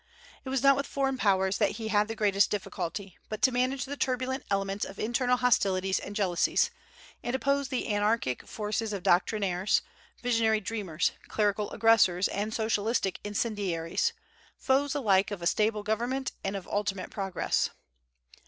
It was not with foreign Powers that he had the greatest difficulty, but to manage the turbulent elements of internal hostilities and jealousies, and oppose the anarchic forces of doctrinaires, visionary dreamers, clerical aggressors, and socialistic incendiaries, foes alike of a stable government and of ultimate progress.